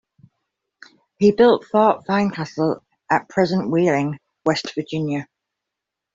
He built Fort Fincastle at present Wheeling, West Virginia.